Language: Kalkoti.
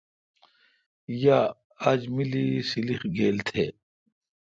یا اج ملی سلیخ گیل تھے۔